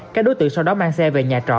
các đối tượng sau đó mang xe về nhà trọ